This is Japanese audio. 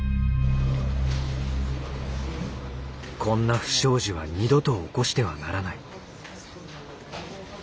こんな不祥事は二度と起こしてはならない。